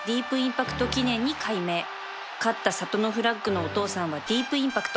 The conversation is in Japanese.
勝ったサトノフラッグのお父さんはディープインパクト